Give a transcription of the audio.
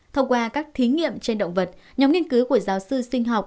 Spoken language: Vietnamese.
thông qua các thí nghiệm trên động vật nhóm nghiên cứu của giáo sư sinh học